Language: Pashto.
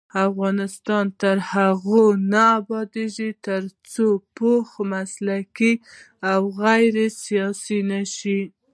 افغانستان تر هغو نه ابادیږي، ترڅو پوځ مسلکي او غیر سیاسي نشي.